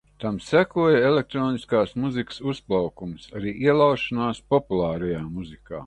Tam sekoja elektroniskās mūzikas uzplaukums, arī ielaušanās populārajā mūzikā.